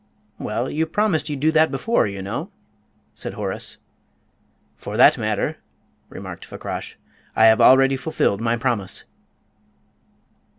"Well, you promised you'd do that before, you know!" said Horace. "For that matter," remarked Fakrash, "I have already fulfilled my promise."